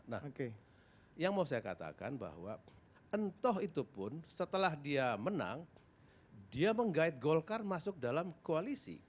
nah yang mau saya katakan bahwa entoh itu pun setelah dia menang dia menggait golkar masuk dalam koalisi